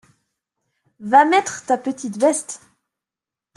Va mettre ta petite veste.